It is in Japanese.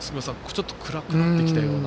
ちょっと暗くなってきたような。